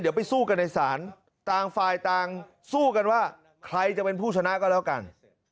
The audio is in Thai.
เดี๋ยวไปสู้กันในศาลต่างฝ่ายต่างสู้กันว่าใครจะเป็นผู้ชนะก็แล้วกัน